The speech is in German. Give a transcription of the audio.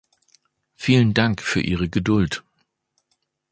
Vielen Dank für Ihre Geduld!